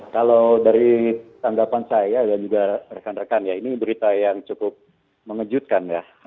kalau dari tanggapan saya dan juga rekan rekan ya ini berita yang cukup mengejutkan ya